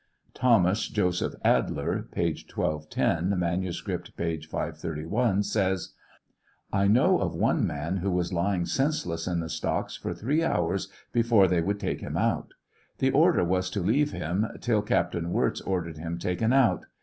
Thomas [Joseph] Adler (p. 1210 ; manuscript, p. 531,) says : I know of one mau who was lying senseless in the stocks for three hours before they would, take him out. The order was to leave him in till Captain Wirz ordered him taken out.'